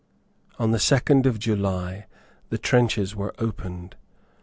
On the second of July the trenches were opened.